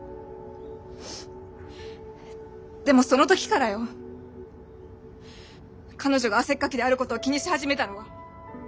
でもその時からよ彼女が汗っかきであることを気にし始めたのは。